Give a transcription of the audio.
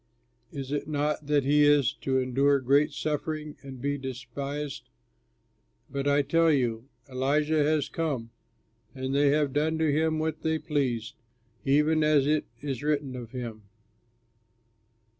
Is it not that he is to endure great suffering and be despised? But I tell you, Elijah has come, and they have done to him what they pleased, even as it is written of him."